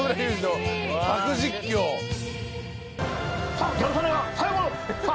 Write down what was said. さあギャル曽根が最後のさあ